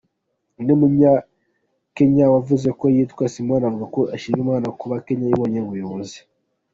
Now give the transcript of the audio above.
Undi munyakenya wavuze ko yitwa Simon avuga ko ashima Imana kuba Kenya ibonye umuyobozi.